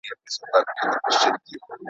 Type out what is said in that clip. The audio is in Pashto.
موږ بايد پوه خلګ وروزو.